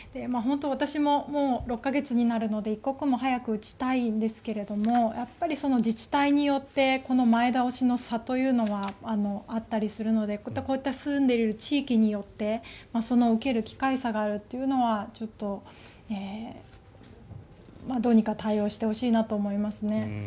私も６か月になるので一刻も早く打ちたいんですがやっぱり自治体によって前倒しの差というのはあったりするので住んでいる地域によって受ける機会差があるというのはちょっと、どうにか対応してほしいなと思いますね。